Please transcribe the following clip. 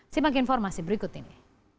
simak informasi berikut ini